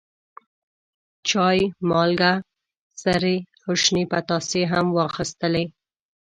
چای، مالګه، سرې او شنې پتاسې هم واخیستلې.